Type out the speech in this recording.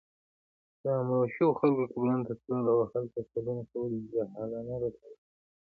د مړو شوو خلکو قبرونو ته تلل، او هلته سوالونه کول جاهلانه رسم دی